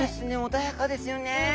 穏やかですよね。